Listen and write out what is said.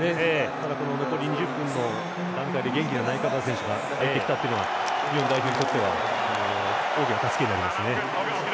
残り２０分の段階で元気なナイカブラ選手が入ってきたのが日本代表にとっては大きな助けになりますね。